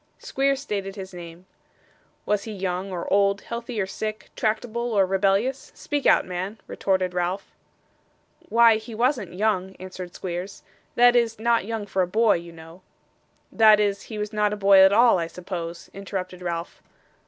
Squeers stated his name. 'Was he young or old, healthy or sickly, tractable or rebellious? Speak out, man,' retorted Ralph. 'Why, he wasn't young,' answered Squeers; 'that is, not young for a boy, you know.' 'That is, he was not a boy at all, I suppose?' interrupted Ralph.